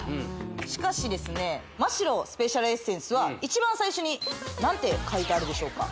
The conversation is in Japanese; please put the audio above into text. しかしですねマ・シロスペシャルエッセンスは一番最初に何て書いてあるでしょうか？